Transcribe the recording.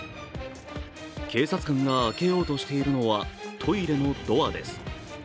警察官が開けようとしているのは、トイレのドアです。